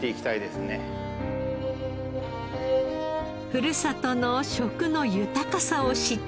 ふるさとの食の豊かさを知ってほしい。